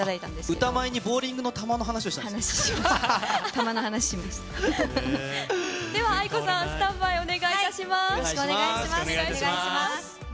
歌前にボーリングの球の話をではａｉｋｏさん、スタンバイお願いします。